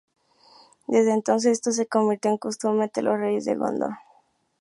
Desde entonces, esto se convirtió en costumbre entre los Reyes de Gondor.